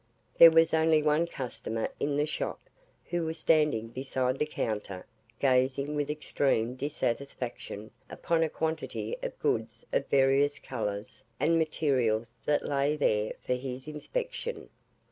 There was only one customer in the shop, who was standing beside the counter, gazing with extreme dissatisfaction upon a quantity of goods of various colours and materials that lay there for his inspection.